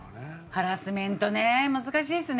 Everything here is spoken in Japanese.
ハラスメントね難しいですね。